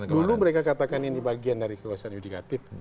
dulu mereka katakan ini bagian dari kekuasaan yudikatif